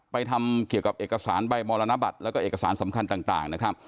ทำเกี่ยวกับเอกสารใบมรณบัตรแล้วก็เอกสารสำคัญต่างนะครับ